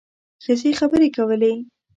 ښځې خبرې کولې.